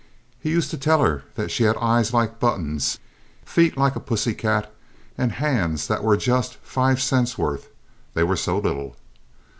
He used to tell her that she had "eyes like buttons," "feet like a pussy cat," and hands that were "just five cents' worth," they were so little.